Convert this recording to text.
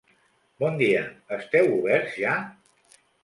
Bon dia, esteu oberts ja?